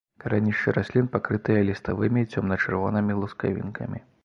Карэнішчы раслін пакрытыя ліставымі цёмна-чырвонымі лускавінкамі.